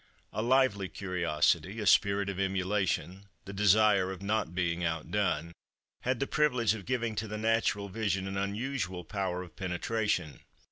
A lively curiosity, a spirit of emulation, the desire of not being outdone, had the privilege of giving to the natural vision an unusual power of penetration.